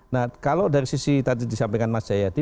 nah kalau dari sisi tadi disampaikan mas jayadi